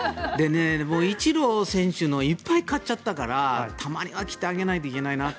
イチロー選手のをいっぱい買っちゃったからたまには着てあげないといけないなって。